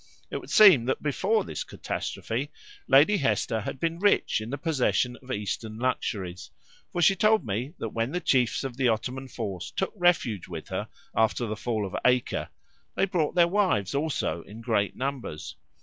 It would seem that before this catastrophe Lady Hester had been rich in the possession of Eastern luxuries; for she told me, that when the chiefs of the Ottoman force took refuge with her after the fall of Acre, they brought their wives also in great numbers.